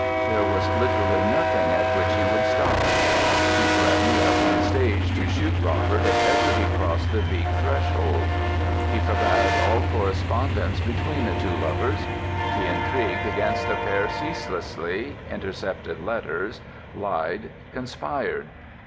There was literally nothing at which he would stop. He threatened at one stage to shoot Robert if ever he crossed the Wieck threshold. He forbade all correspondence between the two lovers. He intrigued against the pair ceaselessly, intercepted letters, lied, conspired.